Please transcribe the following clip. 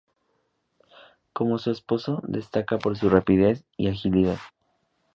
Como su esposo, destaca por su rapidez y agilidad.